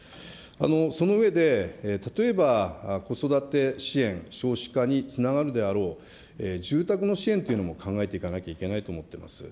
その上で、例えば子育て支援、少子化につながるであろう住宅の支援というのも考えていかなきゃいけないと思っています。